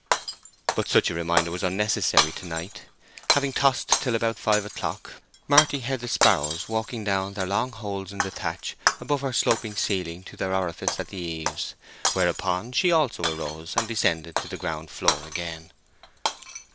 But such a reminder was unnecessary to night. Having tossed till about five o'clock, Marty heard the sparrows walking down their long holes in the thatch above her sloping ceiling to their orifice at the eaves; whereupon she also arose, and descended to the ground floor again.